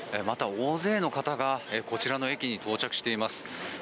また大勢の方がこちらの駅に到着しています。